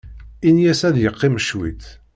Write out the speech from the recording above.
Ini-as ad yeqqim cwiṭ.